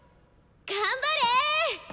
頑張れ！